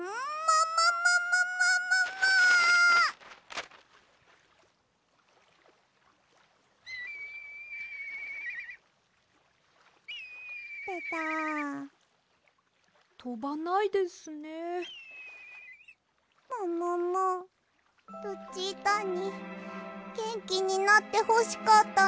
もももルチータにげんきになってほしかったのにな。